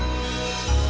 ya saya pikirkan